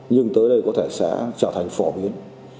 nhưng tới đây có thể sẽ trở thành một vụ án